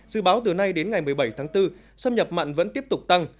dự báo từ nay đến ngày một mươi bảy tháng bốn xâm nhập mặn vẫn tiếp tục tăng